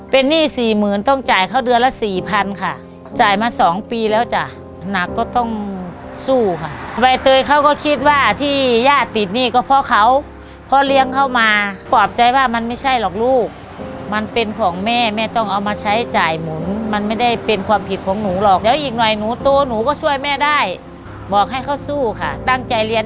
เป็นหนี้สี่หมื่นต้องจ่ายเขาเดือนละสี่พันค่ะจ่ายมาสองปีแล้วจ้ะหนักก็ต้องสู้ค่ะใบเตยเขาก็คิดว่าที่ญาติติดหนี้ก็เพราะเขาเพราะเลี้ยงเข้ามาปลอบใจว่ามันไม่ใช่หรอกลูกมันเป็นของแม่แม่ต้องเอามาใช้จ่ายหมุนมันไม่ได้เป็นความผิดของหนูหรอกเดี๋ยวอีกหน่อยหนูโตหนูก็ช่วยแม่ได้บอกให้เขาสู้ค่ะตั้งใจเรียน